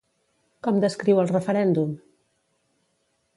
Com descriu el referèndum?